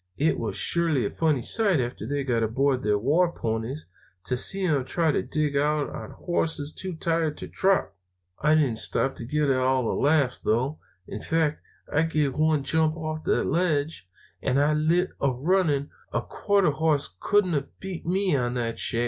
It was surely a funny sight, after they got aboard their war ponies, to see them trying to dig out on horses too tired to trot. "I didn't stop to get all the laughs, though. In fact, I give one jump off that ledge, and I lit a running. A quarter hoss couldn't have beat me to that shack.